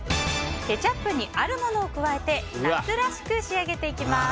ケチャップにあるものを加えて夏らしく仕上げていきます。